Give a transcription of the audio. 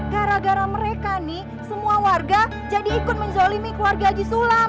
gara gara mereka nih semua warga jadi ikut menzolimi keluarga haji sulam